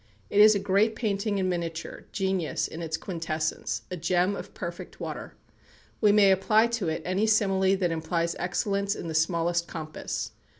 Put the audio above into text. It is great painting in miniature, genius in its quintessence, a gem of perfect water. We may apply to it any simile that implies excellence in the smallest compass.